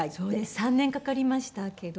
３年かかりましたけど。